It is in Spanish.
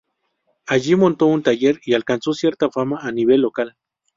Allí montó un taller y alcanzó cierta fama a nivel local.